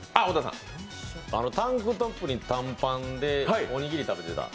タンクトップに短パンで、おにぎり食べてた？